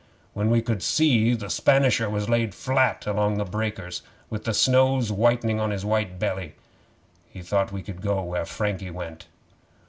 When we could see, the Spanisher was laid flat along in the breakers with the snows whitening on his wet belly. He thought he could go where Frankie went.